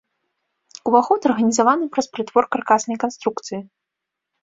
Уваход арганізаваны праз прытвор каркаснай канструкцыі.